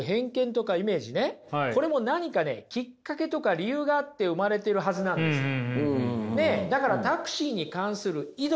これも何かねきっかけとか理由があって生まれてるはずなんですよ。